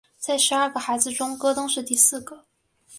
在十二个孩子中戈登是第四个。